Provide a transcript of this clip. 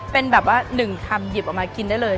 เป็นแบบว่า๑คำหยิบออกมากินได้เลย